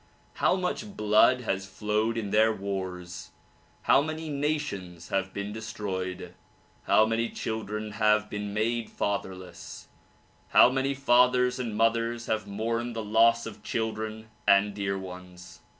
How much blood has flowed in their wars ; how many nations have been destroyed ; how many children have been made fatherless; how many fathers and mothers have mourned the loss of children and dear ones